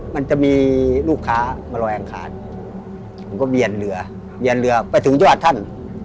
มันจะมีลูกค้ามาลอยอังคารผมก็เบียนเรือเบียนเรือไปถึงยอดท่าน